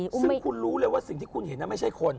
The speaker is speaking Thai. ซึ่งคุณรู้เลยว่าสิ่งที่คุณเห็นนั้นไม่ใช่คน